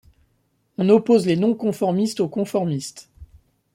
On oppose les non-conformistes aux Conformistes.